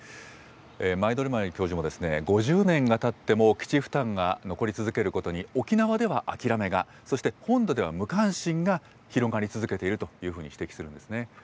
前泊教授も、５０年がたっても基地負担が残り続けることに、沖縄では諦めが、そして、本土では無関心が広がり続けているというふうに指摘するんですね。